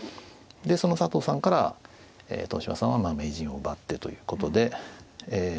でその佐藤さんから豊島さんは名人を奪ってということで。